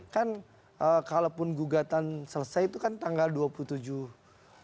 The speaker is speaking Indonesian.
kan kalaupun gugatan selesai itu kan tanggal dua puluh tujuh juni ya pak mas yelara